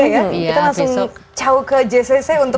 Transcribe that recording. kita langsung jauh ke jcc untuk